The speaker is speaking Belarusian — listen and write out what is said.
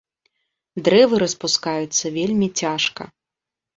Дрэвы распускаюцца вельмі цяжка.